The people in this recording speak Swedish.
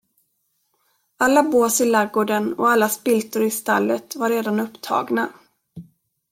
Alla bås i lagården och alla spiltor i stallet var redan upptagna.